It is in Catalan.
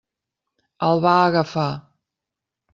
El va agafar.